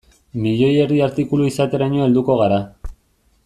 Milioi erdi artikulu izateraino helduko gara.